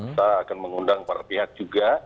kita akan mengundang para pihak juga